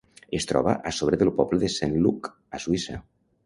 Es troba a sobre del poble de Saint-Luc, a Suïssa.